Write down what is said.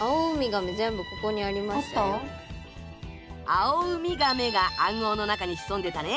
「アオウミガメ」が暗号の中に潜んでたね